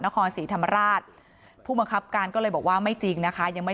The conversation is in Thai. นครศรีธรรมราชผู้บังคับการก็เลยบอกว่าไม่จริงนะคะยังไม่